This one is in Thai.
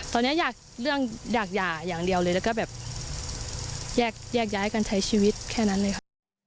ตอนนี้อยากเรื่องอยากหย่าอย่างเดียวเลยแล้วก็แบบแยกย้ายกันใช้ชีวิตแค่นั้นเลยค่ะ